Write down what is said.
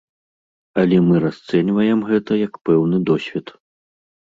Але мы расцэньваем гэта як пэўны досвед.